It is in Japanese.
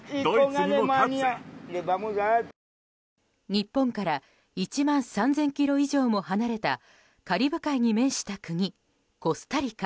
日本から１万３０００ｋｍ以上も離れたカリブ海に面した国コスタリカ。